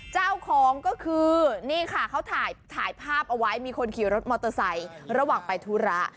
เจ้าของก็คือนี่ค่ะเขาถ่ายภาพเอาไว้มีคนขี่รถมอเตอร์ไซค์ระหว่างไปธุระ